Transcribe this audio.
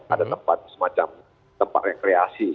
ada tempat semacam tempat rekreasi